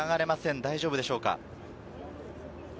大丈夫でしょうか。